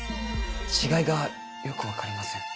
違いがよく分かりません。